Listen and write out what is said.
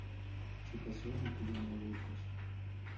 Se casó y tuvo nueve hijos.